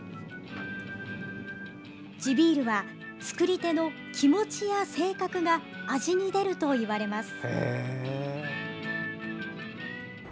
地ビールは、造り手の気持ちや性格が味に出るといわれます。